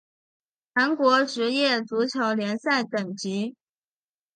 韩国职业足球联赛等级